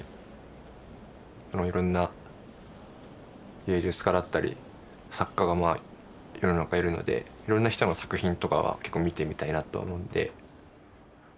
いろんな芸術家だったり作家がまあ世の中いるのでいろんな人の作品とかは結構見てみたいなと思うんで。